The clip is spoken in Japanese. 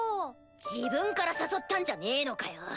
自分から誘ったんじゃねぇのかよ。